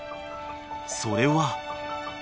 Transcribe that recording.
［それは］